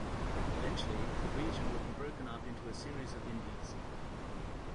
Eventually, the region would be broken up into a series of Indies.